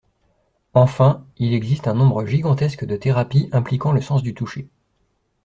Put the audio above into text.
Enfin, il existe un nombre gigantesque de thérapies impliquant le sens du toucher.